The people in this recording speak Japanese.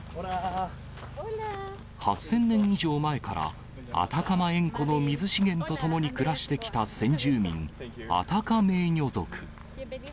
８０００年以上前から、アタカマ塩湖の水資源とともに暮らしてきた先住民、アタカメーニョ族。